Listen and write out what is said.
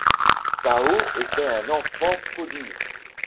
Tao était un enfant prodige.